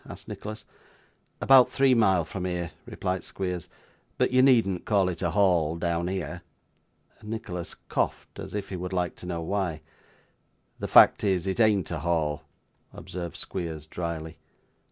asked Nicholas. 'About three mile from here,' replied Squeers. 'But you needn't call it a Hall down here.' Nicholas coughed, as if he would like to know why. 'The fact is, it ain't a Hall,' observed Squeers drily.